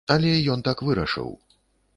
Але ён так вырашыў.